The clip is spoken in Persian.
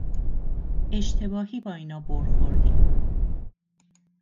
اشتباهی با اینا بُر خوردی